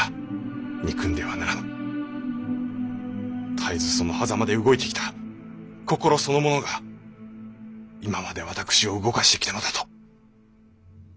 絶えずその狭間で動いてきた心そのものが今まで私を動かしてきたのだと。